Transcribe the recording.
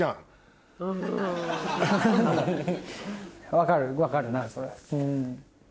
分かる分かるなそれ。